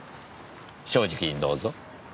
正直にどうぞ。